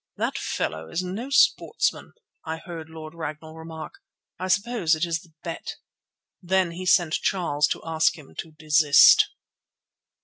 "That fellow is no sportsman," I heard Lord Ragnall remark. "I suppose it is the bet." Then he sent Charles to ask him to desist.